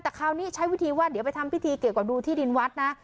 แต่คราวนี้ใช้วิธีว่าเดี๋ยวไปทำพิธีเกี่ยวกับดูที่ดินวัดนะ